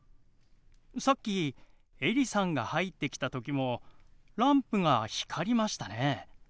さっきエリさんが入ってきた時もランプが光りましたね。